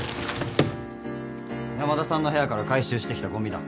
山田さんの部屋から回収してきたごみだ。